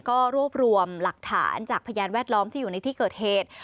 ก็รวบรวมหลักฐานจากพยานแวดล้อมที่อยู่ในที่เกิดเหตุ